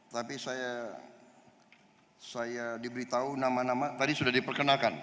tapi saya diberitahu nama nama tadi sudah diperkenalkan